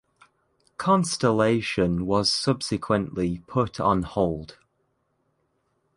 Constellation was subsequently put on hold.